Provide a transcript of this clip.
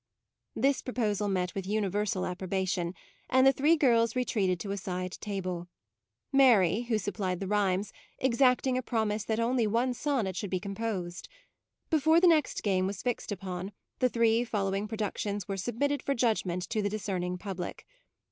This proposal met with universal approbation, and the three girls re treated to a side table ; Mary, who supplied the rhymes, exacting a promise that only one sonnet should be composed. Before the next game was fixed upon, the three following productions were submitted for judg ment to the discerning public.